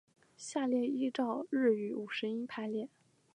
下面依照日语五十音排列。